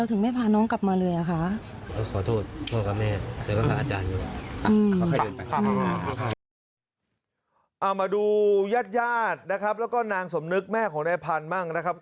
เอามาดูญาติญาตินะครับแล้วก็นางสมนึกแม่ของนายพันธุ์บ้างนะครับ